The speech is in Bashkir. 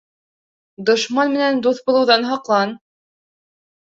Дошман менән дуҫ булыуҙан һаҡлан.